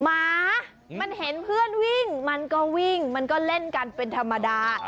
หมามันเห็นเพื่อนวิ่งมันก็วิ่งมันก็เล่นกันเป็นธรรมดา